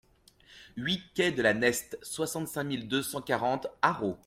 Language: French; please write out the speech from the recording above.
huit quai de la Neste, soixante-cinq mille deux cent quarante Arreau